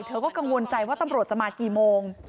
เธอก็กังวลใจว่าตำรวจจะมากี่โมง